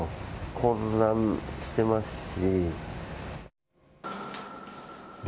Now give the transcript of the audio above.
混乱してますし。